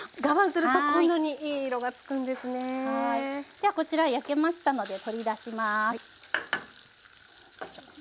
ではこちら焼けましたので取り出します。